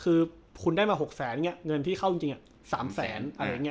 คือคุณได้มาหกแสนเนี้ยเงินที่เข้าจริงจริงอ่ะสามแสนอะไรอย่างเงี้ย